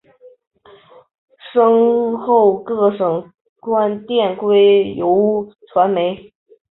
嗣后各省官电归邮传部。